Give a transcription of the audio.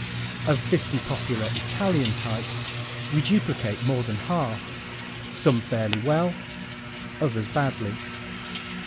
Of fifty popular Italian types we duplicate more than half, some fairly well, others badly.